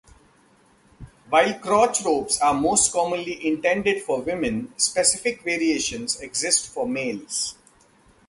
While crotch ropes are most commonly intended for women, specific variations exist for males.